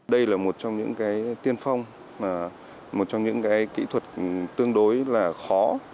đây là một trong những cái tiên phong một trong những cái kỹ thuật tương đối là khó